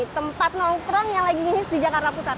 tempat nongkrong yang lagi ngis di jakarta pusat